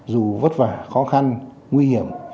dù vất vả khó khăn nguy hiểm